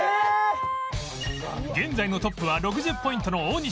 現在のトップは６０ポイントの大西